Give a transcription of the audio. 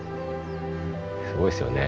すごいですよね。